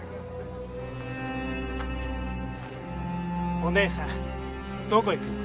お姉さんどこ行くの？